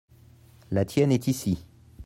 la tienne est ici.